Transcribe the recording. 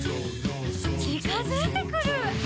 「ちかづいてくる！」